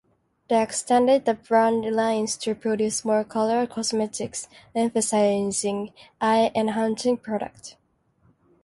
They extended the brand lines to produce more colour cosmetics, emphasizing eye-enhancing products.